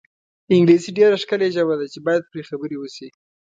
انګلیسي ډېره ښکلې ژبه ده چې باید پرې خبرې وشي.